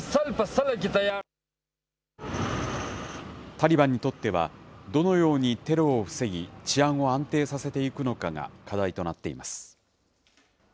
タリバンにとっては、どのようにテロを防ぎ治安を安定させていくのかが課題となっています。